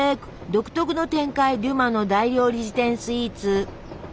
独特の展開デュマの「大料理事典」スイーツ。